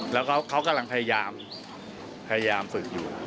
แล้วเขากำลังพยายามฝึกอยู่